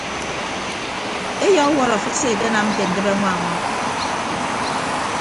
Eyauwọt afịt se akenam ke ndịbe añwa añwa.